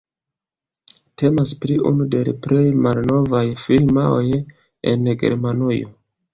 Temas pri unu de la plej malnovaj firmaoj en Germanujo.